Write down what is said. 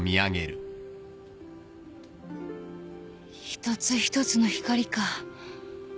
一つ一つの光か。